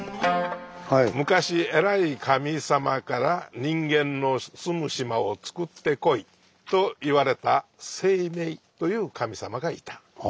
「昔えらい神様から『人間の住む島をつくってこい』と言われた清明という神様がいた。